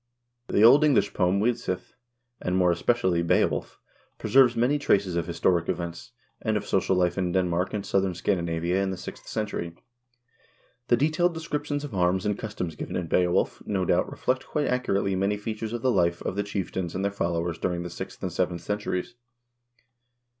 The Old English poem " Widsith," and more especially "Beowulf," preserves many traces of historic events, and of social life in Denmark and southern Scandinavia in the sixth century. The detailed de scriptions of arms and customs given in "Beowulf," no doubt, reflect quite accurately many features of the life of the chieftains and their followers during the sixth and seventh centuries.